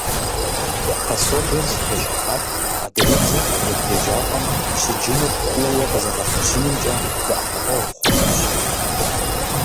Пособиер зытещӀыхьар адыгэбзэр курыт еджапӀэм щыджыныр кууэ къызэгъэпэщынымкӀэ дэӀэпыкъуэгъу хъунырщ.